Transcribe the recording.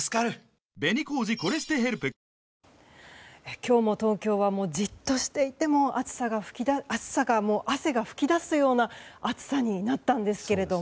今日も東京はじっとしていても汗が噴き出すような暑さになったんですけれども。